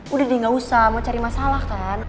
udah dia gak usah mau cari masalah kan